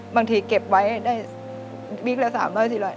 บางทีเก็บไว้าที๓๔๐๐บาท